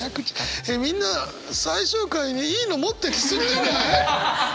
えっみんな最終回でいいの持ってき過ぎじゃない？